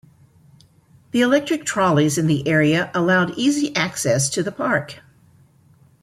The electric trolleys in the area allowed easy access to the park.